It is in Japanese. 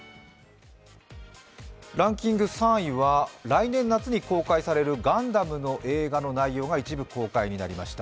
ランキング３位は来年夏に公開されるガンダムの映画の内容が一部公開になりました。